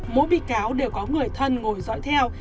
mỗi bị cáo đều có người thân ngồi dõi theo